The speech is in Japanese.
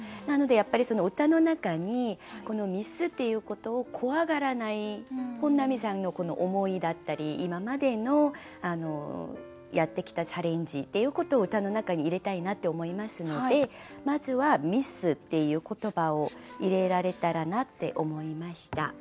なのでやっぱり歌の中にこのミスっていうことを怖がらない本並さんのこの思いだったり今までのやってきたチャレンジっていうことを歌の中に入れたいなって思いますのでまずは「ミス」っていう言葉を入れられたらなって思いました。